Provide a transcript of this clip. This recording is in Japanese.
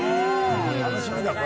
楽しみだこれは。